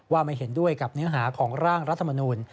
ไม่เห็นด้วยกับเนื้อหาของร่างรัฐมนูล